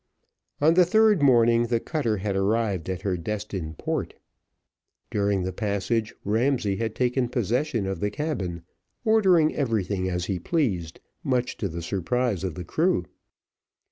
On the third morning the cutter had arrived at her destined port. During the passage Ramsay had taken possession of the cabin, ordering everything as he pleased, much to the surprise of the crew.